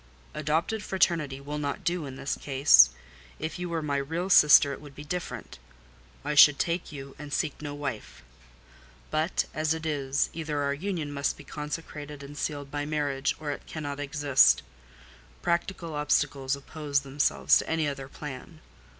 "Adopted fraternity will not do in this case. If you were my real sister it would be different: I should take you, and seek no wife. But as it is, either our union must be consecrated and sealed by marriage, or it cannot exist: practical obstacles oppose themselves to any other plan.